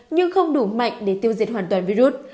nhưng không đủ mạnh để tiêu diệt hoàn toàn virus